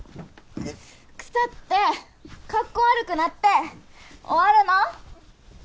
腐ってカッコ悪くなって終わるの？